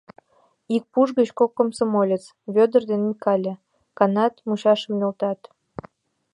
Ик пуш гыч кок комсомолец — Вӧдыр ден Микале — канат мучашым нӧлтат.